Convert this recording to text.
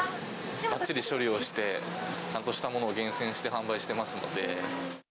きっちり処理をして、ちゃんとしたものを厳選して販売していますので。